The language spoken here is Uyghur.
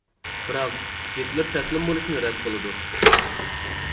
بىراق، گىتلېر تەسلىم بولۇشنى رەت قىلىدۇ.